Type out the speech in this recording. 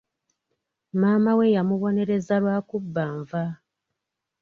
Maama we yamubonereza lwa kubba nva.